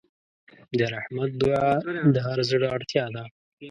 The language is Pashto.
د رحمت دعا د هر زړه اړتیا ده.